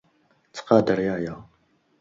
Ttqadar yaya.